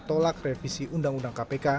tolak revisi undang undang kpk